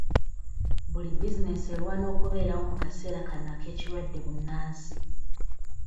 Buli bizinensi erwana okubeerawo mu kaseera kano ak'ekirwadde bbunansi.